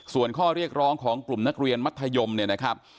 ส่วนข้อเรียกร้องของกลุ่มนักเรียนมัธยมเนี่ยนะครับ